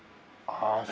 ああ